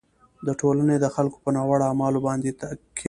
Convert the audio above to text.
د ټولنې د خلکو په ناوړه اعمالو باندې کیږي.